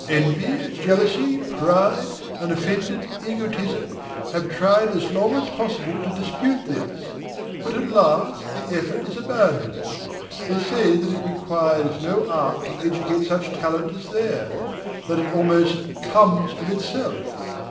Envy, jealousy, pride, and offended egotism have tried as long as possible to dispute this; but at last the effort is abandoned. They say that it requires no art to educate such talent as theirs, that it almost "comes of itself."